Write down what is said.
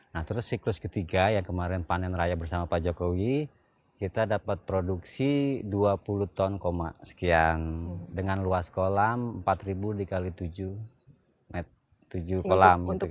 nah terus siklus ketiga yang kemarin panen raya bersama pak jokowi kita dapat produksi dua puluh ton sekian dengan luas kolam empat ribu dikali tujuh kolam